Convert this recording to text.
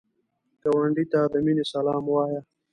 ګاونډي ته د مینې سلام وایه